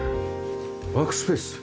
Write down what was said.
ワークスペース？